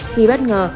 khi bất ngờ